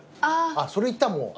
あっそれいったもう。